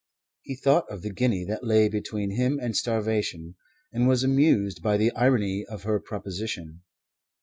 He thought of the guinea that lay between him and starvation, and was amused by the irony of her proposition.